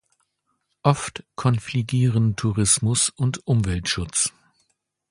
Oft konfligieren Tourismus und Umweltschutz.